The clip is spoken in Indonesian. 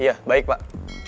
iya baik pak